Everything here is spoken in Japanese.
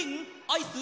アイス？